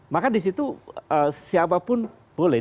maka di situ siapapun boleh